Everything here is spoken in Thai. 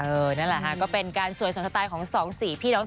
นั่นแหละค่ะก็เป็นการสวยสนสไตล์ของสองสี่พี่น้อง